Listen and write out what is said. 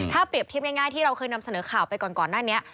ถ้าเปรียบเทียบง่ายที่เราเคยนำเสนอข่าวไปก่อนหน้านี้